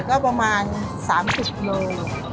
ไก่ก็ประมาณ๓๐เลย